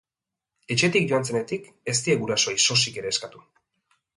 Etxetik joan zenetik ez die gurasoei sosik ere eskatu.